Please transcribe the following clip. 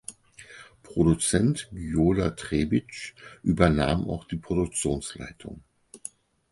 Produzent Gyula Trebitsch übernahm auch die Produktionsleitung.